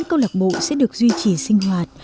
câu lạc bộ sẽ được duy trì sinh hoạt